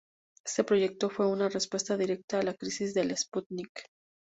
Este proyecto fue una respuesta directa a la crisis del Sputnik.